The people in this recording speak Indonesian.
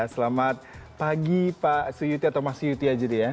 selamat pagi pak suyuti atau mas yuti aja ya